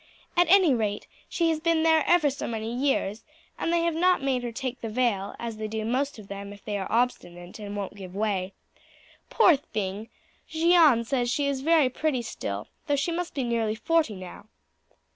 At any rate she has been there ever so many years, and they have not made her take the veil, as they do most of them if they are obstinate and won't give way. Poor thing! Jeanne says she is very pretty still, though she must be nearly forty now."